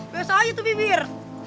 biasa aja tuh pipir